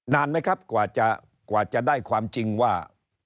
นานไหมครับกว่าจะได้ความจริงว่า